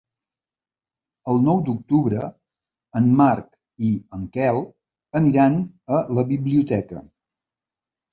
El nou d'octubre en Marc i en Quel aniran a la biblioteca.